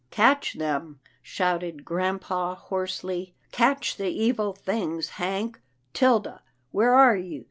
" Catch them," shouted grampa, hoarsely, " catch the evil things. Hank, Tilda, where are you?